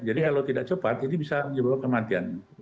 jadi kalau tidak cepat ini bisa menyebabkan kematian